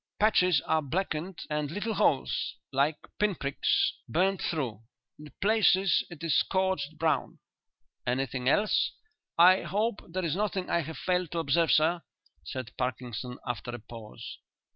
"Patches are blackened, and little holes like pinpricks burned through. In places it is scorched brown." "Anything else?" "I hope there is nothing I have failed to observe, sir," said Parkinson, after a pause.